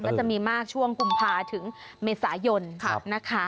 ก็จะมีมากช่วงกุมภาถึงเมษายนนะคะ